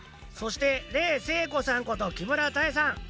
そして冷静子さんこと木村多江さん